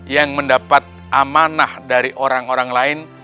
yang mendapat amanah dari orang orang lain